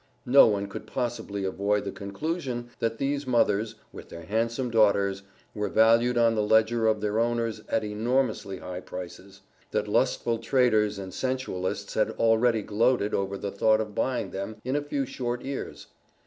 No one could possibly avoid the conclusion, that these mothers, with their handsome daughters, were valued on the Ledger of their owners at enormously high prices; that lustful traders and sensualists had already gloated over the thought of buying them in a few short years.